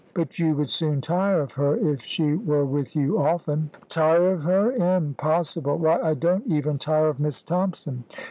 But you would soon tire of her if she were with you often." "Tire of her! Impossible! Why, I don't even tire of Miss Thompson!"